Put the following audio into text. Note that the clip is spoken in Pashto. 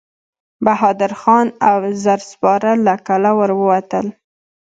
بهادر خان او زر سپاره له کلا ور ووتل.